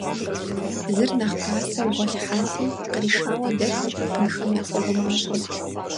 Зыр нэхъ пасэу гъуэлъхьати, къришауэ дэтт, бынхэм яхуэгумащӀэу.